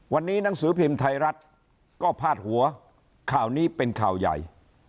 วันนี้หนังสือพิมพ์ไทยรัฐก็พาดหัวข่าวนี้เป็นข่าวใหญ่